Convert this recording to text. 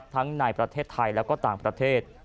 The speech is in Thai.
ทั้งในประเทศไทยและต่างประเทศ